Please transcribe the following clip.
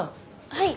はい？